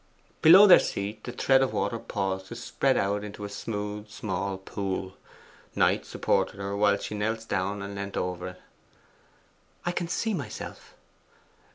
Below their seat the thread of water paused to spread out into a smooth small pool. Knight supported her whilst she knelt down and leant over it. 'I can see myself.